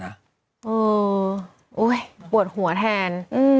อ่าโหยปวดหัวแทน